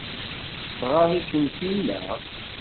Tɣaḍ-ikem tinna?